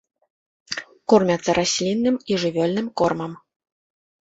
Кормяцца раслінным і жывёльным кормам.